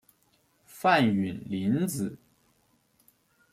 范允临子。